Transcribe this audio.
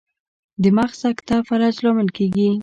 د مغز سکته فلج لامل کیږي